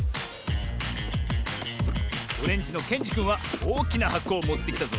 オレンジのけんじくんはおおきなはこをもってきたぞ。